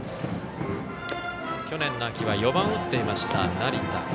去年の秋は４番を打っていました成田。